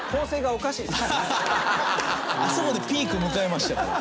あそこでピーク迎えましたから。